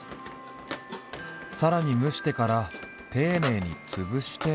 さらに蒸してから丁寧につぶして。